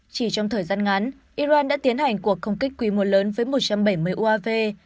chỉ trong thời gian ngắn iran đã tiến hành cuộc không kích quy mô lớn với một trăm bảy mươi uav